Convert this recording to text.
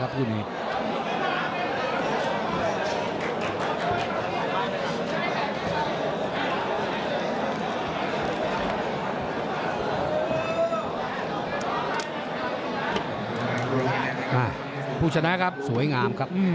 ผู้ชนะครับสวยงามครับ